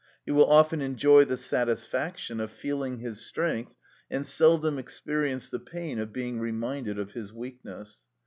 He will often enjoy the satisfaction of feeling his strength, and seldom experience the pain of being reminded of his weakness.